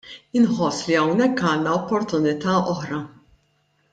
Inħoss li hawnhekk għandna opportunità oħra.